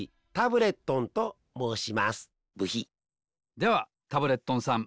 ではタブレットンさん